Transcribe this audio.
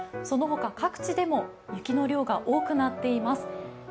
そのほか、各地でも雪の量が多くなっています。